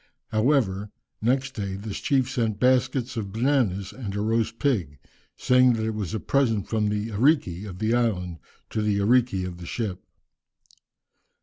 However, next day, this chief sent baskets of bananas and a roast pig, saying that it was a present from the "ariki" of the island to the "ariki" of the ship.